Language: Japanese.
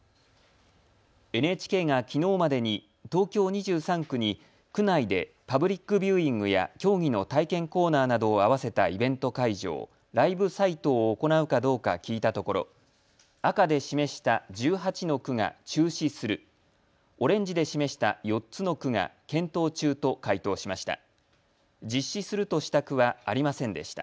ＮＨＫがきのうまでに東京２３区に区内でパブリックビューイングや競技の体験コーナーなどをあわせたイベント会場ライブサイトを行うかどうか聞いたところ赤で示した１８の区が中止する、オレンジで示した４つの区が検討中と回答しました。